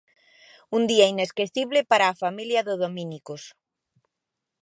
Un día inesquecible para a familia do Dominicos.